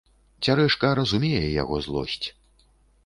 Цярэшка разумее яго злосць.